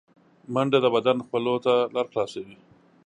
منډه د بدن خولو ته لاره خلاصوي